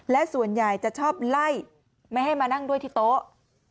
และส่วนใหญ่จะชอบไล่ไม่ให้มานั่งด้วยที่โต๊ะ